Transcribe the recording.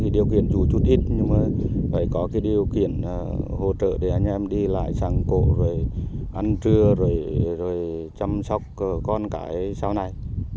điều kiện dù chút ít nhưng phải có điều kiện hỗ trợ để anh em đi lại sang cổ ăn trưa chăm sóc con cái sau này